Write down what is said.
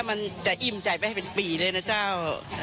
สั่งผมกับพี่พิกิร์นเลยครับ